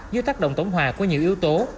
như tác động tổng hòa của nhiều yếu tố